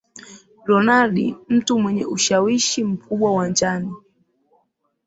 Ronald mtu mwenye ushawishi mkubwa uwanjani